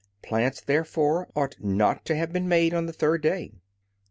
Plants, therefore, ought not to have been made on the third day.